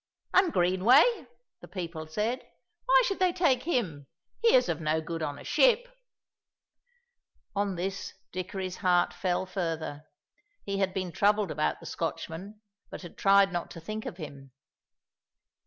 "And Greenway," the people said. "Why should they take him? He is of no good on a ship." On this, Dickory's heart fell further. He had been troubled about the Scotchman, but had tried not to think of him.